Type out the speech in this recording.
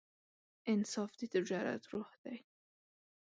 انصاف د تجارت روح دی.